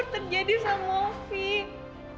terpaksa opi kami ikut